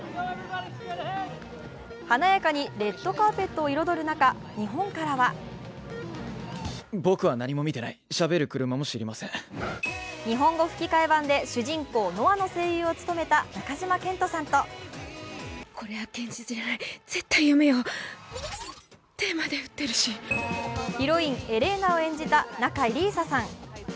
華やかにレッドカーペットを彩る中、日本からは日本語吹き替え版で主人公、希空の声優を務めた中島健人さんとヒロイン・エレーナを演じた仲里依紗さん。